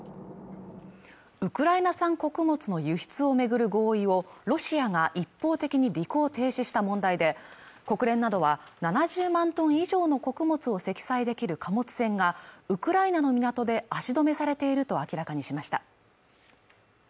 ウクライナ産穀物の輸出を巡る合意をロシアが一方的に履行を停止した問題で国連などは７０万トン以上の穀物を積載できる貨物船がウクライナの港で足止めされていると明らかにしました